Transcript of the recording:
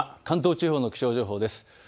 関東地方の気象情報です。